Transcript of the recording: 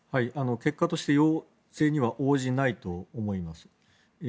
結果として要請には応じないと思います。